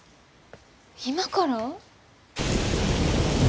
今から？